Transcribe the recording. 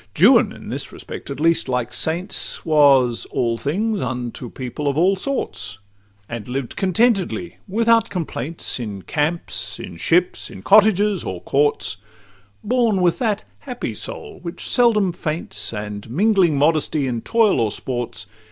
Juan—in this respect, at least, like saints— Was all things unto people of all sorts, And lived contentedly, without complaints, In camps, in ships, in cottages, or courts— Born with that happy soul which seldom faints, And mingling modestly in toils or sports.